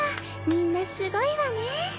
みんなすごいわね。